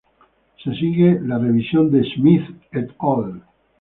Se sigue la revisión de Smith "et al.